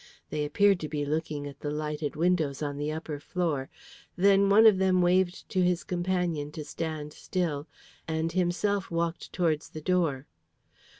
They appeared to be looking at the lighted windows on the upper floor, then one of them waved to his companion to stand still, and himself walked towards the door.